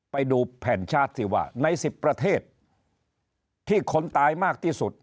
ไปดูแผ่นชาร์จที่ว่าใน๑๐ประเทศที่คนตายมากที่สุด